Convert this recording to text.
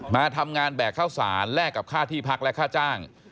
มาทำงานแบกข้าวสารแลกกับค่าที่พักและค่าจ้าง